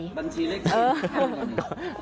บัญชีเล็กที่